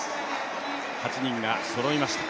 ８人がそろいました。